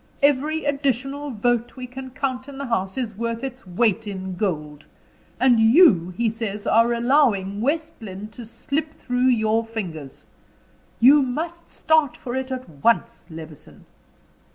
Every additional vote we can count in the House is worth its weight in gold; and you, he says are allowing West Lynne to slip through your fingers! You must start for it at once Levison."